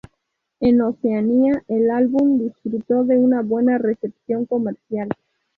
En Oceanía, el álbum disfrutó de una buena recepción comercial.